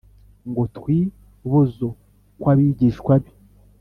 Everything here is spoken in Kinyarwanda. ngo twi bozo kw abigishwa be